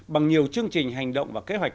bằng nhiều chương trình hành động và kế hoạch